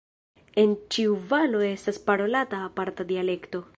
En ĉiu valo estas parolata aparta dialekto.